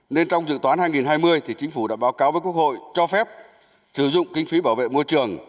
nên trong dự toán hai nghìn hai mươi thì chính phủ đã báo cáo với quốc hội cho phép sử dụng kinh phí bảo vệ môi trường